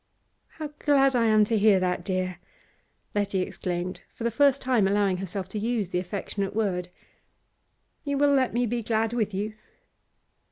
'How glad I am to hear that, dear!' Letty exclaimed, for the first time allowing herself to use the affectionate word. 'You will let me be glad with you?